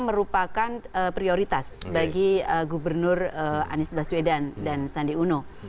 merupakan prioritas bagi gubernur anies baswedan dan sandi uno